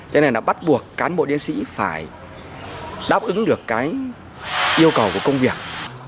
cho nên là bắt buộc cán bộ diễn sĩ phải đáp ứng được cái yêu cầu của công việc